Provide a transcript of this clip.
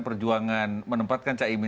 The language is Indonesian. perjuangan menempatkan cai minjad